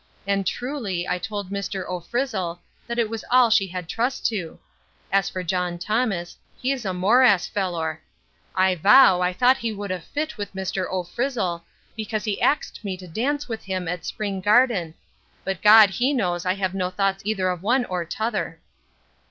and, truly, I told Mr 0 Frizzle that was all she had trust to As for John Thomas, he's a morass fellor I vow, I thought he would a fit with Mr 0 Frizzle, because he axed me to dance with him at Spring Garden But God he knows I have no thoughts eyther of wan or t'other.